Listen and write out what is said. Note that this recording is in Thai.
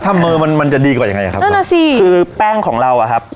ถ้ามือมันมันจะดีกว่ายังไงครับนั่นน่ะสิคือแป้งของเราอ่ะครับ